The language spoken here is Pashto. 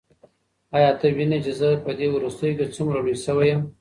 ایا ته وینې چې زه په دې وروستیو کې څومره لوی شوی یم؟